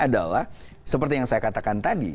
adalah seperti yang saya katakan tadi